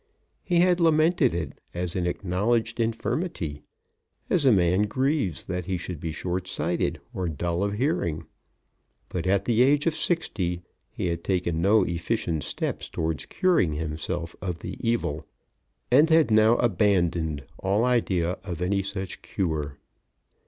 He had lamented it as an acknowledged infirmity; as a man grieves that he should be short sighted, or dull of hearing; but at the age of sixty he had taken no efficient steps towards curing himself of the evil, and had now abandoned all idea of any such cure.